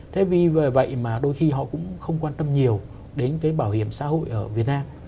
thế vì vậy mà đôi khi họ cũng không quan tâm nhiều đến cái bảo hiểm xã hội ở việt nam